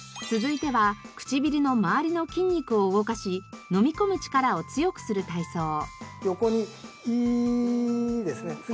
続いては唇のまわりの筋肉を動かし飲み込む力を強くする体操。